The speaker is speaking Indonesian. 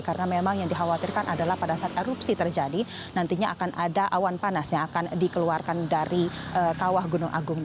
karena memang yang dikhawatirkan adalah pada saat erupsi terjadi nantinya akan ada awan panas yang akan dikeluarkan dari kawah gunung agung